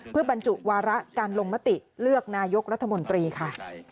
เพื่อบรรจุวาระการลงมติเลือกนายกรัฐมนตรีค่ะ